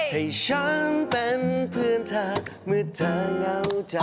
ให้ฉันเป็นเพื่อนเธอเมื่อเธอเหงาใจ